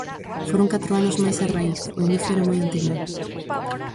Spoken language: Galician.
Foron catro anos mais a raíz, o inicio era moi anterior.